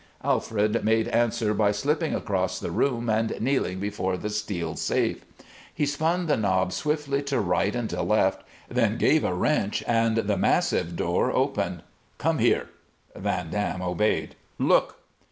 Alfred made answer by slipping across the room and kneeling before the steel safe. He spun the knob swiftly to right and to left, then gave a wrench, and the massive door opened. "Come here!" Van Dam obeyed. "Look!"